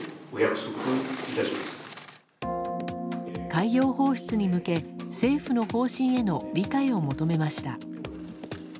海洋放出に向け政府の方針への理解を求めました。